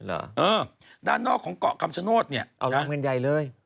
เออด้านนอกของเกาะคำชโชน์โน้ตเนี่ยแล้วคอแล้ว